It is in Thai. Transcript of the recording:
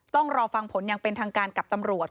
ต้องรอฟังผลอย่างเป็นทางการกับตำรวจ